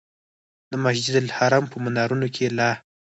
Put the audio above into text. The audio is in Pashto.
د مسجدالحرام په منارونو کې لا.